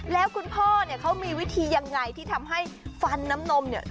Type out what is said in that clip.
แล้วคุณพ่อเนี่ยเขามีวิธียังไงที่ทำให้ฟันน้ำนมเนี่ย